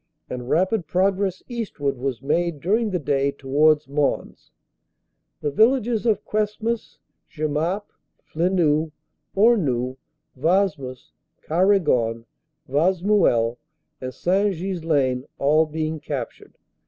and rapid progress eastward was made during the day towards Mons, the villages of Cuesmes, Jemappes, Flenu, Hornu, Wasmes, Quaregon, Wasmuel, and St. Ghislain all being captured.